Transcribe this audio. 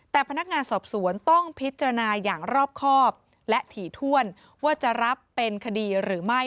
แต่พนักงานสอบสวนต้องพิจารณาอย่างรอบครอบและถี่ถ้วนว่าจะรับเป็นคดีหรือไม่